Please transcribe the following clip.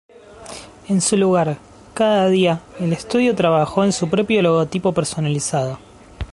En su lugar, cada día, el estudio trabajó en su propio logotipo personalizado.